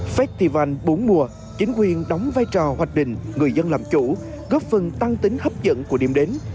festival bốn mùa chính quyền đóng vai trò hoạch định người dân làm chủ góp phần tăng tính hấp dẫn của điểm đến